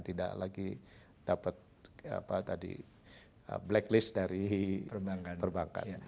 tidak lagi dapat blacklist dari perbankan